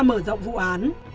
mở rộng vụ án